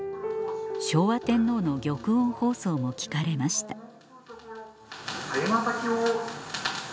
昭和天皇の玉音放送も聞かれました